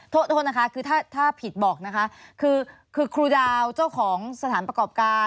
โทษโทษนะคะคือถ้าผิดบอกนะคะคือคือครูดาวเจ้าของสถานประกอบการ